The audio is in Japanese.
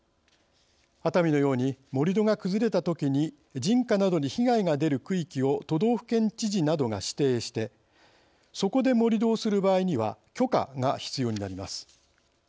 熱海のように盛り土が崩れたときに人家などに被害が出る区域を都道府県知事などが指定してそこで盛り土をする場合には許可が必要になります。